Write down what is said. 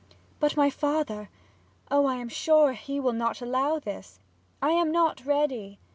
'But my father oh, I am sure he will not allow this! I am not ready.